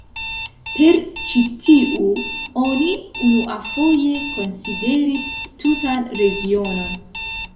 Per ĉi tiu oni unuafoje konsideris tutan regionon.